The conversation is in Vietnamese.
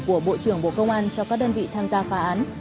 của bộ trưởng bộ công an cho các đơn vị tham gia phá án